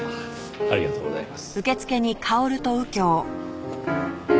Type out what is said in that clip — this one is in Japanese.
ありがとうございます。